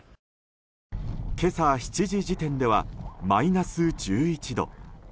今朝７時時点ではマイナス１１度。